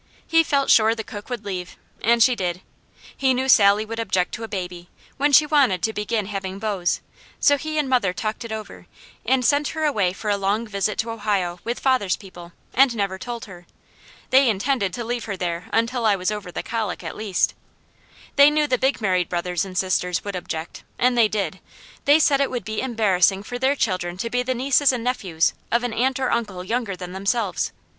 He felt sure the cook would leave, and she did. He knew Sally would object to a baby, when she wanted to begin having beaus, so he and mother talked it over and sent her away for a long visit to Ohio with father's people, and never told her. They intended to leave her there until I was over the colic, at least. They knew the big married brothers and sisters would object, and they did. They said it would be embarrassing for their children to be the nieces and nephews of an aunt or uncle younger than themselves.